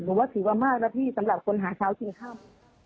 หนูว่าถือว่ามากแล้วที่สำหรับคนหาเช้ากินข้าว